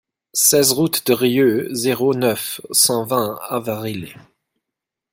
seize route de Rieux, zéro neuf, cent vingt à Varilhes